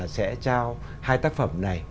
sẽ trao hai tác phẩm này